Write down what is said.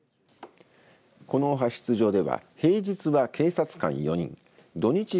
この派出所では平日は警察官４人土日